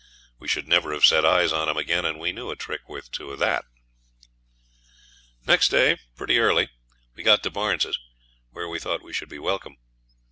We should never have set eyes on 'em again, and we knew a trick worth two of that. Next day, pretty early, we got to Barnes's, where we thought we should be welcome.